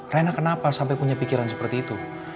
raina kenapa sampai punya pikiran seperti itu